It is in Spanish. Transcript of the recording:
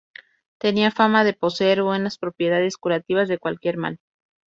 Tenía fama de poseer buenas propiedades curativas de cualquier mal.